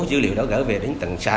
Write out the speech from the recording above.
dữ liệu đó gỡ về đến tầng xã